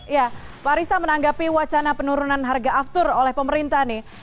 ya pak arista menanggapi wacana penurunan harga aftur oleh pemerintah nih